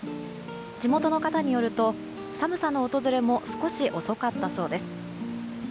地元の方によると寒さの訪れも少し遅かったそうです。